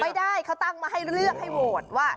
ไม่ได้เขาตั้งมาให้เลือกให้โหวตว่า